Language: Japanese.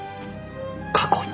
過去に。